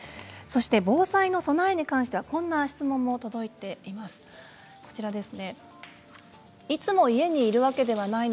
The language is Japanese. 防災の備えに関してはこんな質問も届いています。